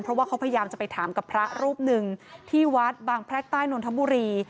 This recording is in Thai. เพราะว่าเขาพยายามจะไปถามกับพระรูปหนึ่งที่วัดบางแพรกใต้นนทบุรี